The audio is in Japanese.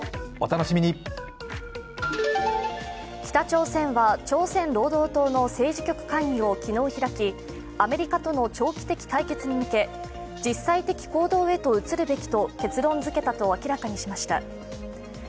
北朝鮮は、朝鮮労働党の政治局会議を昨日開き、アメリカとの長期的対決に向け実際的行動へと移るべきと結論づけたと明らかにしました。